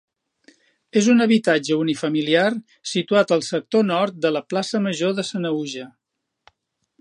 És un habitatge unifamiliar situat al sector nord de la plaça Major de Sanaüja.